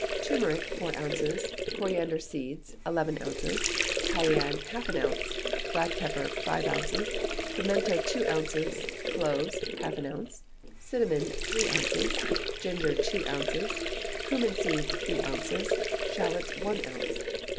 Turmeric, four ounces; coriander seeds, eleven ounces; cayenne, half an ounce; black pepper, five ounces; pimento, two ounces; cloves, half an ounce; cinnamon, three ounces; ginger, two ounces; cummin seed, three ounces; shalots, one ounce.